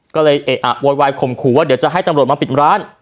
ก็เลยเอะอะโวยวายข่มขู่ว่าเดี๋ยวจะให้ตำรวจมาปิดร้าน